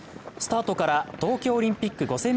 スタートから東京オリンピック５０００